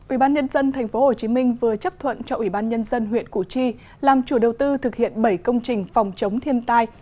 ubnd tp hcm vừa chấp thuận cho ubnd huyện củ chi làm chủ đầu tư thực hiện bảy công trình phòng chống thiên tai